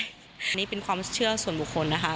อันนี้เป็นความเชื่อส่วนบุคคลนะคะ